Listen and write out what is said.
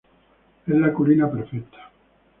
Es la colina perfecta.